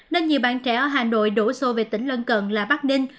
nên nhiều bạn trẻ ở hà nội đổ xô về tỉnh lân cận là bắc ninh